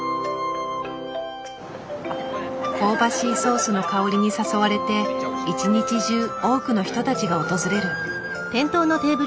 香ばしいソースの香りに誘われて一日中多くの人たちが訪れる。